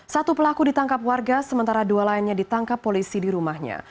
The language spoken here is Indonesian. satu pelaku ditangkap warga sementara dua lainnya ditangkap polisi di rumahnya